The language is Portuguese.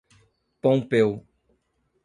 Pompéu